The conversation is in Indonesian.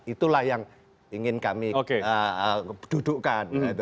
itulah yang ingin kami dudukkan